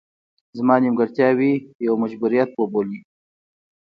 زما نیمګړتیاوې یو مجبوریت وبولي.